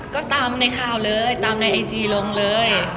ก็ตามในเค้าเลยในไอจีลงเลย